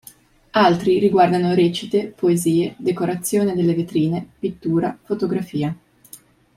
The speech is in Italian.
Altri riguardano recite, poesie, decorazione delle vetrine, pittura, fotografia.